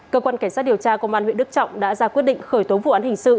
cơ quan cảnh sát điều tra công an huyện đức trọng đã ra quyết định khởi tố vụ án hình sự